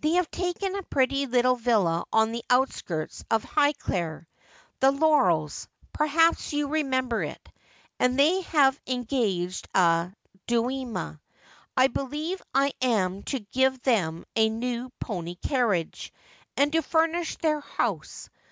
They have taken a pretty little villa on the outskirts of Highclere — the Laurels, perhaps you remem ber it,— and they have engaged a duenna. I believe I am to give them a new pony carriage, and to furnish their house.